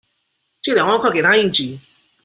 借兩萬塊給她應急